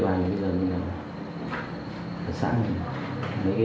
bây giờ sẵn mấy hộ hầm đi qua